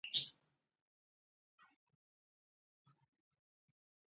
ولایتونه د افغانستان یو ډول طبعي ثروت دی.